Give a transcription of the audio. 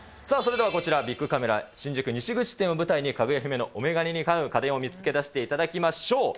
さあ、それではこちら、ビックカメラ新宿西口店を舞台にかぐや姫のお眼鏡にかなう家電を見つけ出していただきましょう。